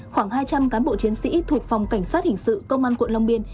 khoảng hai trăm linh cán bộ chiến sĩ thuộc phòng cảnh sát hình sự công an quận long biên